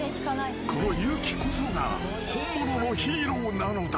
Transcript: ［この勇気こそが本物のヒーローなのだ］